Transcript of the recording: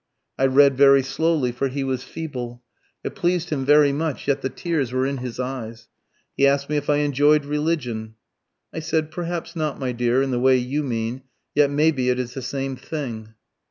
I read very slowly, for he was feeble. It pleased him very much, yet the tears were in his eyes. He ask'd me if I enjoy'd religion. I said 'Perhaps not, my dear, in the way you mean, yet maybe, it is the same thing.'"